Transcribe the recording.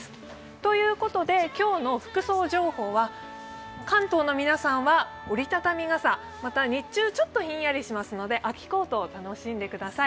ということで今日の服装情報は関東の皆さんは折り畳み傘、また日中ちょっとひんやりしますので秋コートを楽しんでください。